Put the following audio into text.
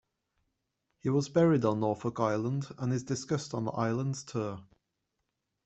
He was buried on Norfolk Island and is discussed on the island's tours.